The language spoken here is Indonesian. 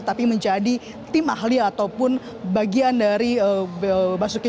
tapi menjadi tim ahli ataupun bagian dari basuki